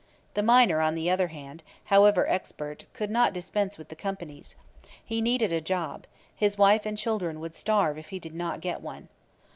The miner, on the other hand, however expert, could not dispense with the companies. He needed a job; his wife and children would starve if he did not get one.